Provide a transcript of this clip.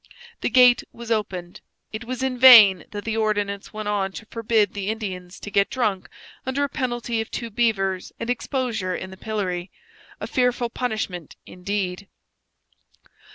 The gate was opened. It was in vain that the ordinance went on to forbid the Indians to get drunk under a penalty of two beavers and exposure in the pillory. A fearful punishment indeed!